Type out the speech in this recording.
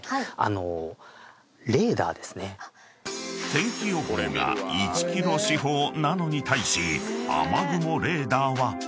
［天気予報が１ｋｍ四方なのに対し雨雲レーダーは？］